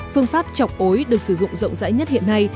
phương pháp chọc ối được sử dụng rộng rãi nhất hiện nay